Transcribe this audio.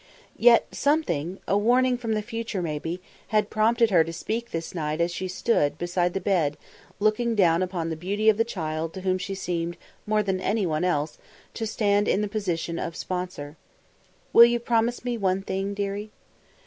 Yet something, a warning from the future, maybe, had prompted her to speak this night as she stood beside the bed, looking down upon the beauty of the child to whom she seemed, more than anyone else, to stand in the position of sponsor. "Will you promise me one thing, dearie?"